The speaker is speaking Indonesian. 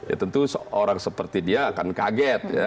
ya tentu orang seperti dia akan kaget ya